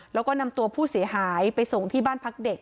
แล้วก็นำตัวผู้เสียหายไปส่งที่บ้านพักเด็ก